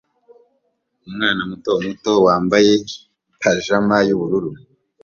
Umwana muto muto wambaye pajama yubururu